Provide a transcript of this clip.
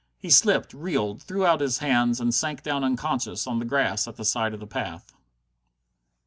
He slipped, reeled, threw out his hands, and sank down unconscious on the grass at the side of the path.